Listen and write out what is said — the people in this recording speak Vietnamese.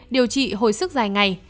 điều trị hồi sức dài ngày